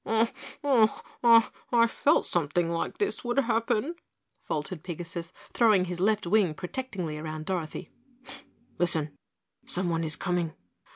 "I I I felt something like this would happen," faltered Pigasus, throwing his left wing protectingly around Dorothy. "Listen! Someone is coming."